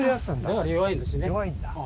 だから弱いんですね。